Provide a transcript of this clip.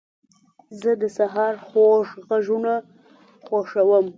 زه د سهار خوږ غږونه خوښوم.